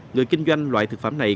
người kinh doanh loại thực phẩm này